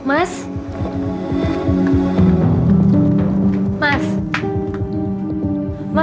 aku mau ke rumah